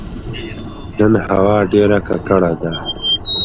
نن هوا ډيره کړه ده